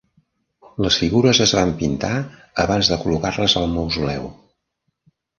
Les figures es van pintar abans de col·locar-les al mausoleu.